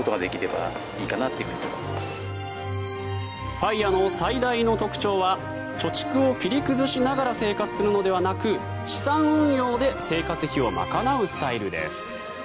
ＦＩＲＥの最大の特徴は貯蓄を切り崩しながら生活するのではなく資産運用で生活費を賄うスタイルです。